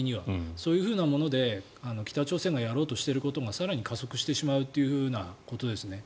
そういうふうなもので北朝鮮がやろうとしていることが更に加速してしまうということですね。